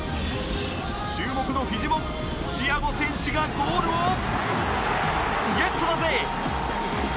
注目のフィジモンチアゴ選手がゴールを ＧＥＴ だぜ！